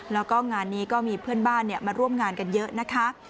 แล้วก็งานนี้ก็มีเพื่อนบ้านมาร่วมงานกันเยอะนะคะ